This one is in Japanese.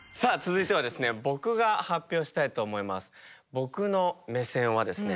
僕の目線はですね